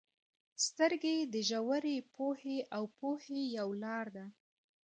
• سترګې د ژورې پوهې او پوهې یو لار ده.